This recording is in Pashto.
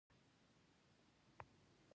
هغه چې په تور تېز رنګ ښودل شوي دي.